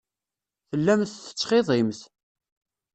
Tellamt tettxiḍimt.